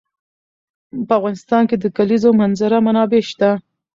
په افغانستان کې د د کلیزو منظره منابع شته.